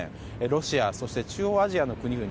ロシア、そして中央アジアの国々